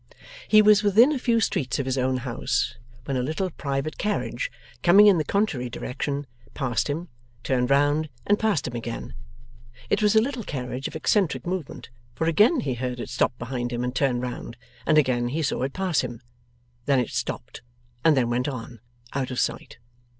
He was within a few streets of his own house, when a little private carriage, coming in the contrary direction, passed him, turned round, and passed him again. It was a little carriage of eccentric movement, for again he heard it stop behind him and turn round, and again he saw it pass him. Then it stopped, and then went on, out of sight.